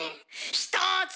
ひとつ！